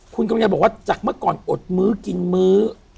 คุณกำลังบอกว่าจากเมื่อก่อนอดมื้อกินมื้อ